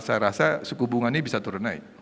saya rasa sukubungannya bisa turun naik